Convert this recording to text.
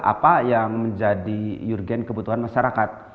apa yang menjadi urgen kebutuhan masyarakat